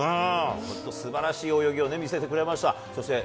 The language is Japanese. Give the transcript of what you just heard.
素晴らしい泳ぎを見せてくれました。